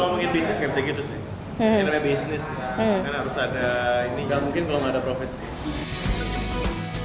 gak mungkin kalau gak ada profit sih